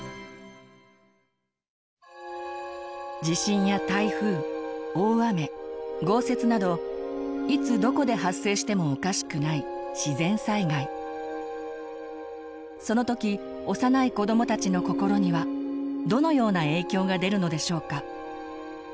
地震や台風大雨豪雪などいつどこで発生してもおかしくないその時幼い子どもたちの心にはどのような影響が出るのでしょうか？